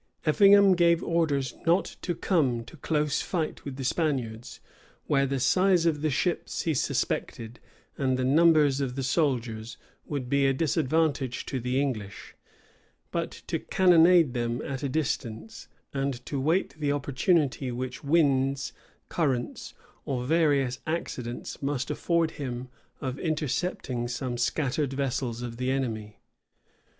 Effingham gave orders not to come to close fight with the Spaniards; where the size of the ships, he suspected, and the numbers of the soldiers, would be a disadvantage to the English; but to cannonade them at a distance, and to wait the opportunity which winds, currents, or various accidents must afford him of intercepting some scattered vessels of the enemy.